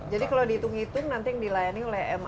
jadi kalau dihitung hitung nanti yang dilayani oleh mpp